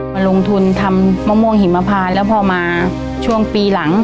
มาลงทุนทำมะม่วงหิมพานแล้วพอมาช่วงปีหลัง